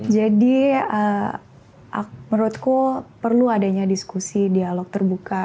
jadi menurutku perlu adanya diskusi dialog terbuka